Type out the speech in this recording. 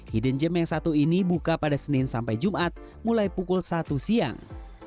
hidden gem yang satu ini buka pada senin sampai jumat mulai pukul satu siang